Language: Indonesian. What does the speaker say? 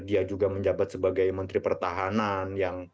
dia juga menjabat sebagai menteri pertahanan